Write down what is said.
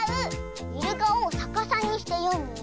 イルカをさかさにしてよむの。